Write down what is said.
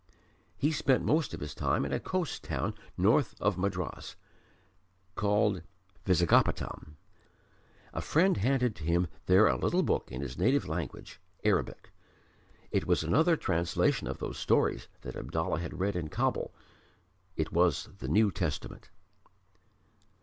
He spent most of his time in a coast town north of Madras, called Vizagapatam. A friend handed to him there a little book in his native language Arabic. It was another translation of those stories that Abdallah had read in Kabul it was the New Testament.